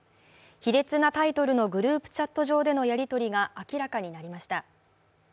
卑劣なタイトルのグループチャット上でのやりとりが明らかになりました。